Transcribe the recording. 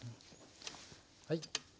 はい。